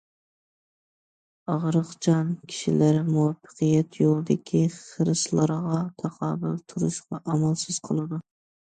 ئاغرىقچان كىشىلەر مۇۋەپپەقىيەت يولىدىكى خىرىسلارغا تاقابىل تۇرۇشقا ئامالسىز قالىدۇ.